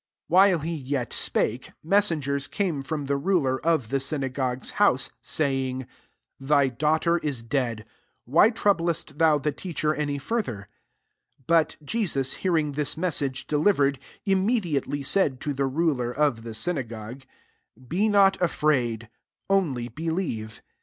35 While he yet spake, met sengers came from the ruler of the synagogue's house, sayings " Thy daughter is dead : why troublest thou the Teacher, any further ?'* 36 But Jesus, hearing this message delivered, [imme diately] said to the ruler of the synagogue, Be not afraid ; only believe.'